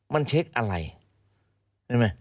มันเช็คอะไร